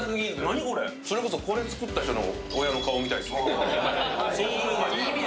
それこそこれ作った人の親の顔が見たいですね。